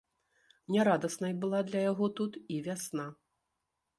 Нярадаснай была для яго тут і вясна.